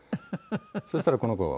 そしたらこの子あ